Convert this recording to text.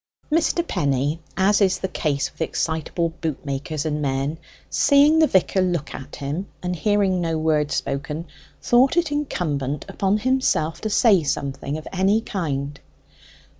Mr. Penny, as is the case with excitable boot makers and men, seeing the vicar look at him and hearing no word spoken, thought it incumbent upon himself to say something of any kind.